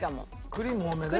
クリーム多めね？